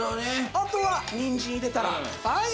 あとはニンジン入れたらはい